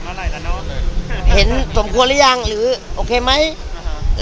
อะไรแล้วเนอะเห็นสมควรหรือยังหรือโอเคไหมอ่าฮะ